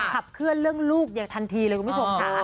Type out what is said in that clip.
ขับเคลื่อนเรื่องลูกอย่างทันทีเลยคุณผู้ชมค่ะ